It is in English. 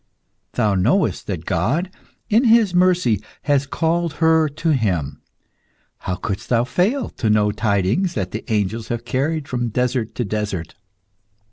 Thou knowest that God, in his mercy, has called her to Him; how couldst thou fail to know tidings that the angels have carried from desert to desert?